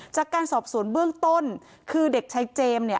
จากการสอบสวนเบื้องต้นคือเด็กชายเจมส์เนี่ย